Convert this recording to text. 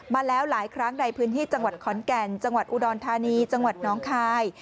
มาแล้วหลายครั้งในพื้นที่จังหวัดขอนแก่นจังหวัดอุดรธานีจังหวัดน้องคาย